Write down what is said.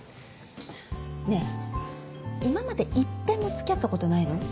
ねえ今まで一遍もつきあったことないの？